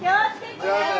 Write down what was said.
じゃあね！